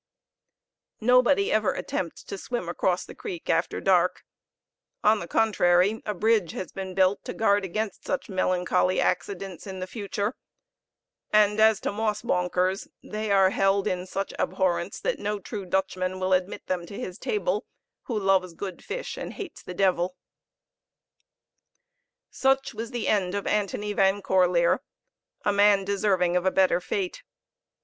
Nobody ever attempts to swim across the creek after dark; on the contrary, a bridge has been built to guard against such melancholy accidents in the future; and as to moss bonkers, they are held in such abhorrence that no true Dutchman will admit them to his table who loves good fish and hates the devil. Such was the end of Antony Van Corlear a man deserving of a better fate.